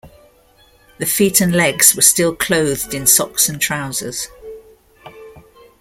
The feet and legs were still clothed in socks and trousers.